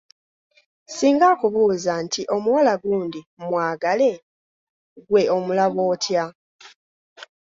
Singa akubuuza nti omuwala gundi mmwagale; ggwe omulaba otya?